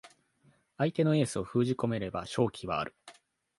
相手のエースを封じ込めれば勝機はある